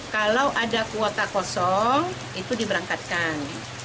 kalau ada kuota kosong itu diberangkatkan